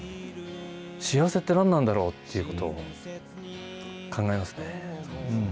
幸せって何なんだろうということを考えますね。